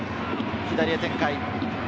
左へ展開。